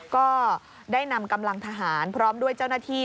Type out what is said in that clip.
ก็ได้นำกำลังทหารพร้อมด้วยเจ้าหน้าที่